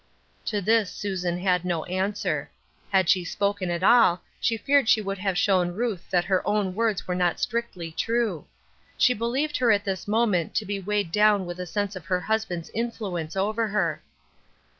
To this Susan had no answer. Had she spoken at all, she feared she would have shown Ruth that her own words were not strictly true. She believed her at this moment to be weighed down with a sense of her husband's influence over her.